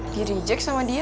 di reject sama dia